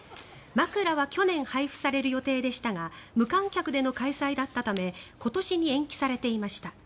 枕は去年配布される予定でしたが無観客での開催だったため今年に延期されていました。